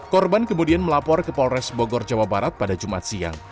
korban kemudian melapor ke polres bogor jawa barat pada jumat siang